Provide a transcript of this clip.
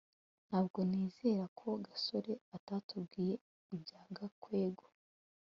ntabwo nizera ko gasore atatubwiye ibya gakwego